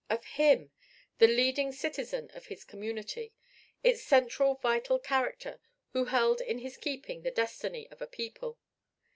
Of him! the leading citizen of his community, its central vital character who held in his keeping the destiny of a people!